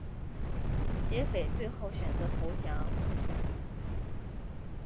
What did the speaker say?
劫匪最后选择投降。